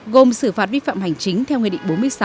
gồm xử phạt vi phạm hành chính theo nguyên định bốn mươi sáu